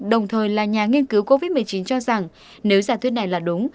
đồng thời là nhà nghiên cứu covid một mươi chín cho rằng nếu giả thuyết này là đúng